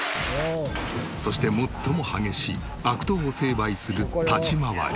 そして最も激しい悪党を成敗する立廻り。